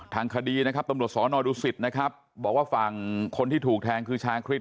ทางคดีตรศนดุศิษธิ์บอกว่าฟังคนที่ถูกแทงคือชาคริส